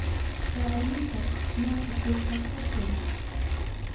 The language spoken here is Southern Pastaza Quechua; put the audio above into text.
Saraynika ña pukushka kahun.